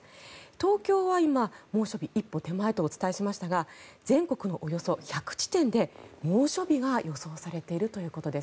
東京は今、猛暑日一歩手前とお伝えしましたが全国のおよそ１００地点で猛暑日が予想されているということです。